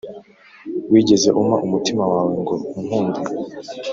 wigeze umpa umutima wawe ngo unkunde?